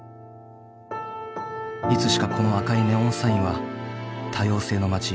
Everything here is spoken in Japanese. いつしかこの赤いネオンサインは多様性の街